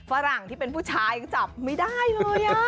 ฝรั่งที่เป็นผู้ชายจับไม่ได้เลย